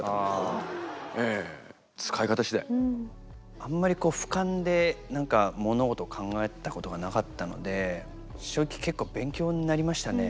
あんまりこう俯瞰で何か物事を考えたことがなかったので正直結構勉強になりましたね。